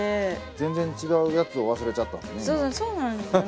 全然違うやつを忘れちゃったんですね